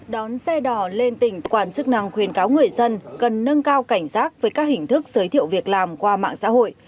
đón xe đỏ lên tỉnh quản chức năng khuyên cáo người dân cần nâng cao cảnh giác với các hình thức giới thiệu việc làm qua mạng xã hội